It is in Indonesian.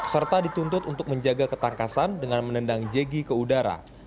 serta dituntut untuk menjaga ketangkasan dengan menendang jegi ke udara